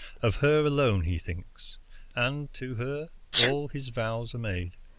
Of her alone he thinks, and to her all his vows are made.